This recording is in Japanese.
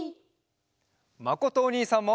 まことおにいさんも。